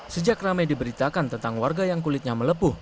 sejak ramai diberitakan tentang warga yang kulitnya melepuh